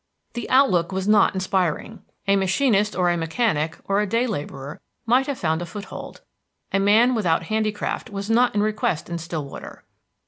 The outlook was not inspiring. A machinist, or a mechanic, or a day laborer might have found a foot hold. A man without handicraft was not in request in Stillwater.